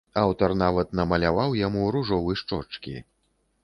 Аўтар нават намаляваў яму ружовы шчочкі.